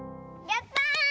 やった！